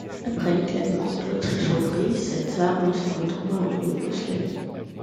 Après l’éclatement de l’Autriche-Hongrie, cette arme se retrouva en Yougoslavie.